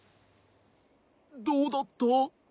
どうだった？